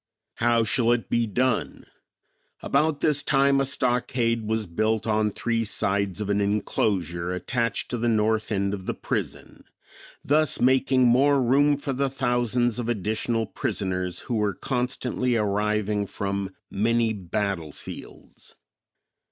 How shall it be done? About this time a stockade was built on three sides of an enclosure attached to the north end of the prison, thus making more room for the thousands of additional prisoners who were constantly arriving from many battle fields.